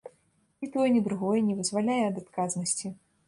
Ні тое, ні другое не вызваляе ад адказнасці.